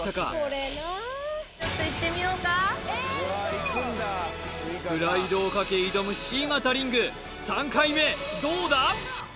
これなあちょっといってみようかプライドをかけ挑むＣ型リング３回目どうだ？